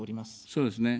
そうですね。